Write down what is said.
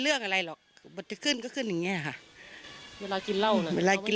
เรื่องอะไรหรอกมันจะขึ้นก็ขึ้นอย่างเงี้ยค่ะเวลากินเหล้าน่ะเวลากิน